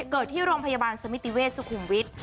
เกิดที่โรงพยาบาลสมิติเวชสุขุมวิทย์